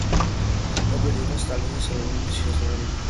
ცნობილი იყო სტალინის როლების შესრულებით.